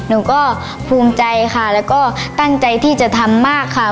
หนูก็ภูมิใจค่ะแล้วก็ตั้งใจที่จะทำมากค่ะ